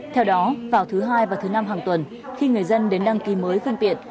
theo đó vào thứ hai và thứ năm hàng tuần khi người dân đến đăng ký mới phương tiện